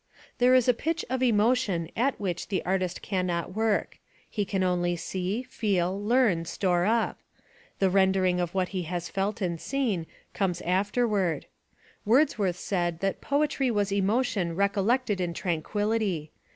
There is a pitch of emotion at which the artist can not work; he can only see, feel, learn, store up; the rendering of what he has felt and seen somes after ward. Wordsworth said that poetry was emotion rec ollected in tranquillity.